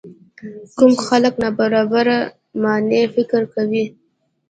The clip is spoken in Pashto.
کم خلک د نابرابرۍ معنی فکر کوي.